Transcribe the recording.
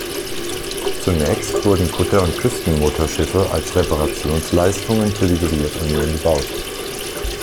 Zunächst wurden Kutter und Küstenmotorschiffe als Reparationsleistungen für die Sowjetunion gebaut.